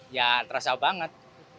ya terasa banget